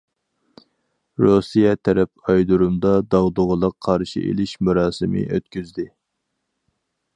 رۇسىيە تەرەپ ئايرودۇرۇمدا داغدۇغىلىق قارشى ئېلىش مۇراسىمى ئۆتكۈزدى.